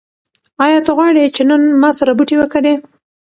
ایا ته غواړې چې نن ما سره بوټي وکرې؟